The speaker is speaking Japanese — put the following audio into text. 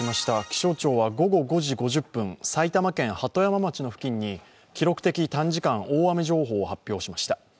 気象庁は午後５時５０分、埼玉県鳩山町の付近に記録的短時間大雨情報を発表しました。